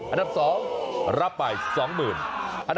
อันดับ๒รับไป๒๐๐๐บาท